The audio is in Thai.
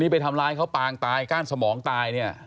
ไปทำร้ายเขาปางตายก้านสมองตายเนี่ย